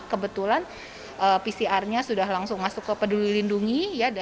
kebetulan pcr nya sudah langsung masuk ke peduli lindungi